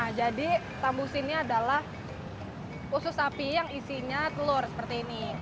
nah jadi tambus ini adalah usus sapi yang isinya telur seperti ini